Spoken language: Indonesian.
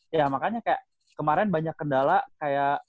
ya makanya kayak kemarin banyak kendala kayak